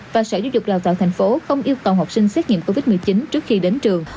và sở giáo dục đào tạo tp hcm không yêu cầu học sinh xét nghiệm covid một mươi chín trước khi đến trường